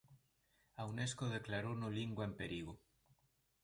A Unesco declarouno lingua en perigo.